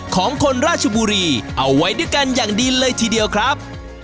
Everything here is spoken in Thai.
ของคนราชบุรีเอาไว้ด้วยกันอย่างดีเลยทีเดียวครับ